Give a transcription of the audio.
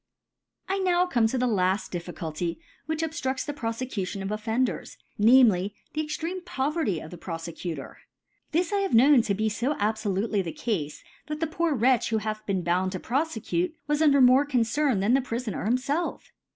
I come now to the laft Difficulty which obftrudts the Profecution of Offenders 5 namely, the extreme Poverty of the' Pro fccutor. T^iis I have known to be ib abfo I lutely ( 17^ ) lutely the Cdfe» that the poor Wretch who hath been bound to profecute, was undep more Concern than the Prifoner himfetf!.